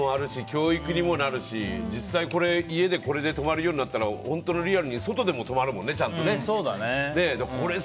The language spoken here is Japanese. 教育にもなるし実際これ家で止まるようになったら本当のリアルに外でもちゃんと止まるもんね。